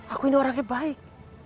aku ini orangnya baik